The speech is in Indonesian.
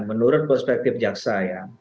menurut perspektif jaksa ya